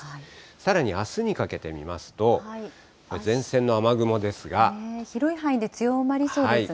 さらにあすにかけて見ますと、前広い範囲で強まりそうですね。